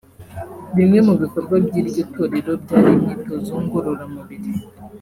Bimwe mu bikorwa by’iryo torero byari imyitozo ngororamubiri